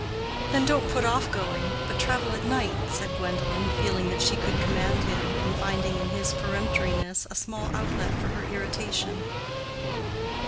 "Then don't put off going, but travel at night," said Gwendolen, feeling that she could command him, and finding in this peremptoriness a small outlet for her irritation.